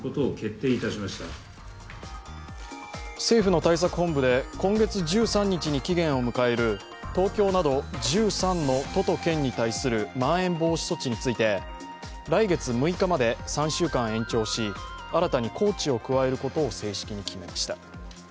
政府の対策本部で今月１３日に期限を迎える東京など１３の都と県に対するまん延防止措置について、来月６日まで３週間延長し、新たに高知を加えることを正式に決めました。